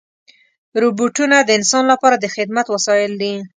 روبوټونه د انسان لپاره د خدمت وسایل دي.